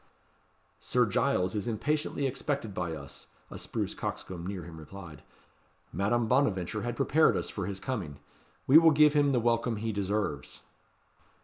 "Sir Giles is impatiently expected by us," a spruce coxcomb near him replied. "Madame Bonaventure had prepared us for his coming. We will give him the welcome he deserves."